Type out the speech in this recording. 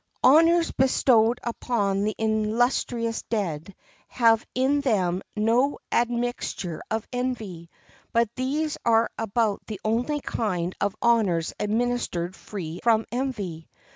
Honors bestowed upon the illustrious dead have in them no admixture of envy; but these are about the only kind of honors administered free from envy.